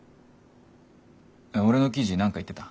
俺の記事何か言ってた？